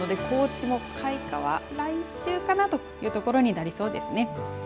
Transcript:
高知も開花は来週かなというところになりそうですね。